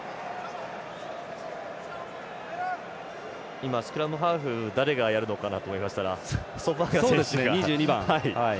今、スクラムハーフ誰がやるのかなと思いましたが２２番、ソポアンガ。